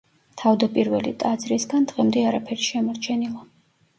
თავდაპირველი ტაძრისგან დღემდე არაფერი შემორჩენილა.